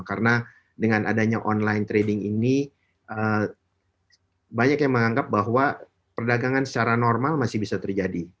karena dengan adanya online trading ini banyak yang menganggap bahwa perdagangan secara normal masih bisa terjadi